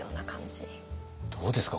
どうですか？